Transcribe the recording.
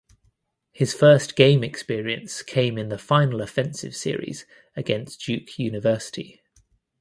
His first game experience came in the final offensive series against Duke University.